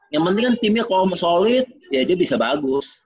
yang penting kan timnya kalau mau solid ya dia bisa bagus